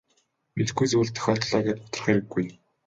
Мэдэхгүй зүйл тохиолдлоо гээд гутрах хэрэггүй.